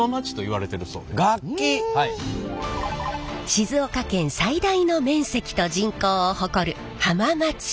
静岡県最大の面積と人口を誇る浜松市。